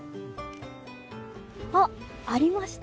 あっ、ありました。